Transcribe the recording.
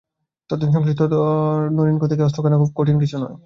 তদন্ত-সংশ্লিষ্টদের দেওয়া তথ্য অনুযায়ী, নরিনকো থেকে অস্ত্র কেনা খুব কঠিন কিছু নয়।